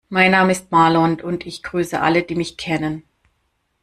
Mein Name ist Marlon und ich grüße alle, die mich kennen.